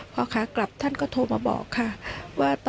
พ่อค้ากลับท่านก็โทรมาบอกค่ะว่า